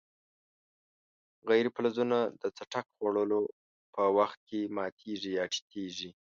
غیر فلزونه د څټک خوړلو په وخت کې ماتیږي یا تیتیږي.